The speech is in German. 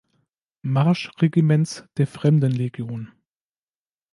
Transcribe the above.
Marsch-Regiments der Fremdenlegion.